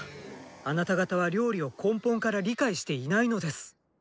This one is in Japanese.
あなた方は料理を根本から理解していないのです。